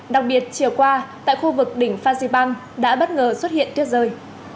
đặc biệt chiều qua tại khu vực đỉnh phan xipang đã bất ngờ xuất hiện tuyết rơi